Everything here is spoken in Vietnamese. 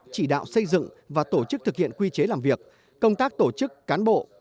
chỉ đạo xây dựng và tổ chức thực hiện quy chế làm việc công tác tổ chức cán bộ